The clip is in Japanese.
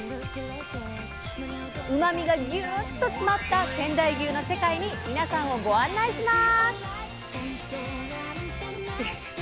うまみがギュウっと詰まった仙台牛の世界に皆さんをご案内します！